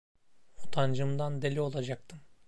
Utancımdan deli olacaktım.